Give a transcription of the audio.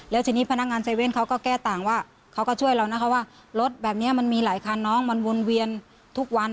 แล้วทีนี้พนักงาน๗๑๑เขาก็แก้ต่างว่าเขาก็ช่วยเรานะคะว่ารถแบบนี้มันมีหลายคันน้องมันวนเวียนทุกวัน